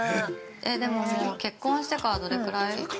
でももう、結婚してからどれぐらい？